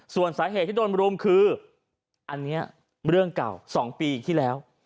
ส่วนสาเหตุที่โดนรุมคืออันนี้เรื่องเก่า๒ปีที่แล้ว